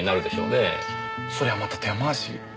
そりゃまた手回し。